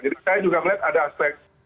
saya juga melihat ada aspek